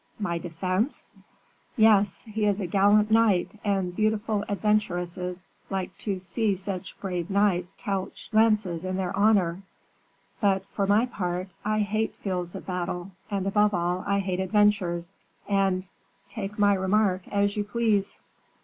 "My defense?" "Yes. He is a gallant knight, and beautiful adventuresses like to see brave knights couch lances in their honor. But, for my part, I hate fields of battle, and above all I hate adventures, and take my remark as you please."